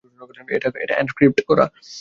এটা এনক্রিপ্ট করা।